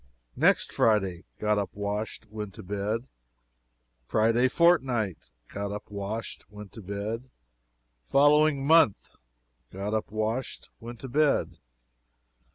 "Next Friday Got up, washed, went to bed. "Friday fortnight Got up, washed, went to bed. "Following month Got up, washed, went to bed."